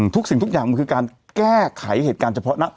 สิ่งทุกอย่างมันคือการแก้ไขเหตุการณ์เฉพาะหน้า